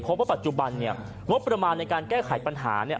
เพราะว่าปัจจุบันเนี่ยงบประมาณในการแก้ไขปัญหาเนี่ย